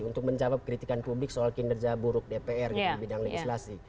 untuk menjawab kritikan publik soal kinerja buruk dpr di bidang legislasi